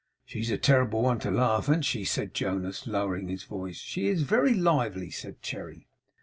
'She's a terrible one to laugh, an't she?' said Jonas, lowering his voice. 'She is very lively,' said Cherry.